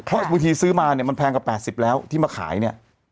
เพราะบางทีซื้อมาเนี่ยมันแพงกว่า๘๐แล้วที่มาขายเนี่ย